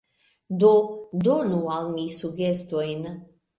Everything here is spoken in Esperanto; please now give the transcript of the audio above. Do donu al mi sugestojn.